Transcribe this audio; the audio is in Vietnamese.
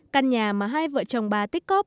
căn nhà mà hai vợ chồng bà tích cóp